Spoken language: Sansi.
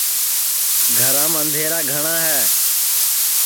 گھرام اںٚدھیرا گھٹؔا ہے